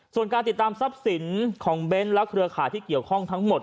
ส่วนการติดตามทรัพย์สินของเบ้นและเครือข่ายที่เกี่ยวข้องทั้งหมด